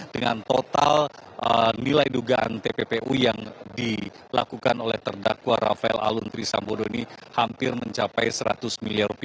dengan total nilai dugaan tppu yang dilakukan oleh perdakwa rafael alun trisambodo ini hampir mencapai seratus miliar rupiah